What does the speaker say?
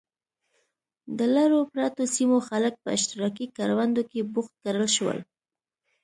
د لرو پرتو سیمو خلک په اشتراکي کروندو کې بوخت کړل شول.